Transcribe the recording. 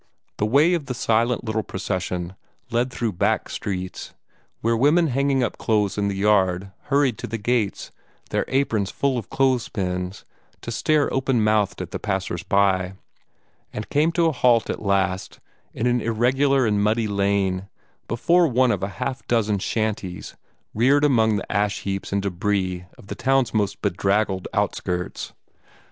The way of the silent little procession led through back streets where women hanging up clothes in the yards hurried to the gates, their aprons full of clothes pins, to stare open mouthed at the passers by and came to a halt at last in an irregular and muddy lane, before one of a half dozen shanties reared among the ash heaps and debris of the town's most bedraggled outskirts.